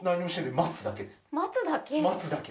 待つだけ？